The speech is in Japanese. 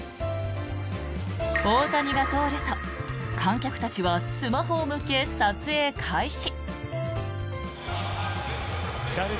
大谷が通ると観客たちはスマホを向け撮影開始。